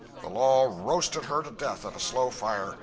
The law roasted her to death at a slow fire.